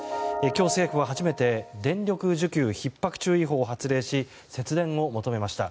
今日、政府は初めて電力需給ひっ迫注意報を発令し節電を求めました。